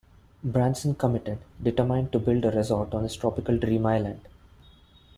Branson committed, determined to build a resort on his tropical dream island.